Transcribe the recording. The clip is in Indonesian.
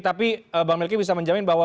tapi bang melki bisa menjamin bahwa